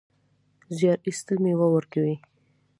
زیار ایستل مېوه ورکوي